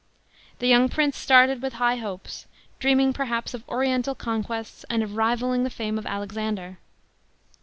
The young prince started with high hopes, dreaming perhaps of oriental conquests and of rivalling the fame of Alexander.